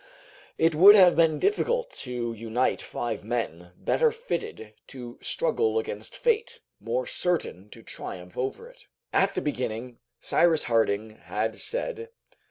It would have been difficult to unite five men, better fitted to struggle against fate, more certain to triumph over it. "At the beginning," Cyrus Harding had said.